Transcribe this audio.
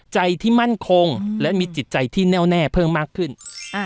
ใจที่มั่นคงและมีจิตใจที่แน่วแน่เพิ่มมากขึ้น